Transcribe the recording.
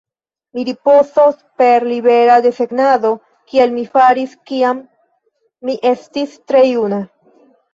"Mi ripozos per libera desegnado, kiel mi faris kiam mi estis tre juna."